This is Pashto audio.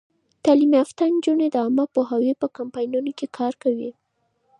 تعلیم یافته نجونې د عامه پوهاوي په کمپاینونو کې کار کوي.